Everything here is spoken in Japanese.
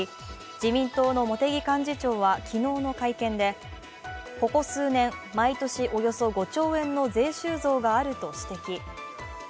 自民党の茂木幹事長は昨日の会見で、ここ数年、毎年およそ５兆円の税収増があると指摘。